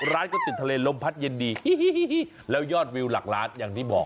ร้านก็ติดทะเลลมพัดเย็นดีแล้วยอดวิวหลักล้านอย่างที่บอก